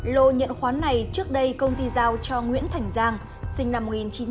lô nhận khoán này trước đây công ty giao cho nguyễn thành giang sinh năm một nghìn chín trăm bảy mươi